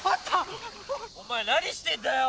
お前何してんだよ！